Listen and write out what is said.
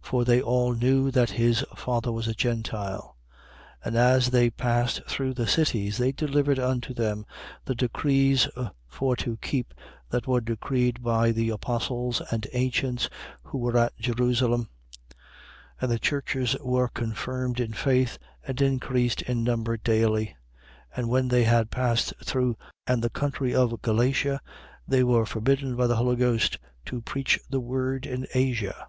For they all knew that his father was a Gentile. 16:4. And as they passed through the cities, they delivered unto them the decrees for to keep, that were decreed by the apostles and ancients who were at Jerusalem. 16:5. And the churches were confirmed in faith and increased in number daily. 16:6. And when they had passed through Phrygia and the country of Galatia, they were forbidden by the Holy Ghost to preach the word in Asia.